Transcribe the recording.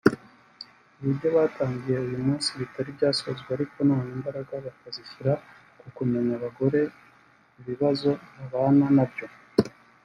Hari ibyo batangiye uyu munsi bitari byasozwa ariko noneho imbaraga bakazishyira ku kumenya abagore ibibazo babana nabyo